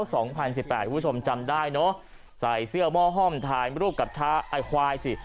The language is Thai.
คุณผู้ชมจำได้เนอะใส่เสื้อหม้อห้อมถ่ายรูปกับชาไอ้ควายสิ